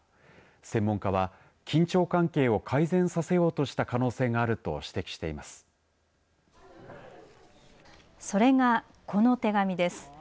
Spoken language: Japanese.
専門家は緊張関係を改善させようとした可能性がそれがこの手紙です。